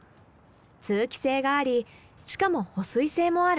通気性がありしかも保水性もある。